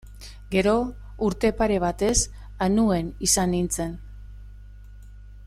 Gero, urte pare batez Anuen izan nintzen.